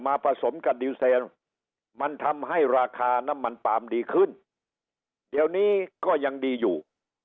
ผสมกับดีเซลมันทำให้ราคาน้ำมันปาล์มดีขึ้นเดี๋ยวนี้ก็ยังดีอยู่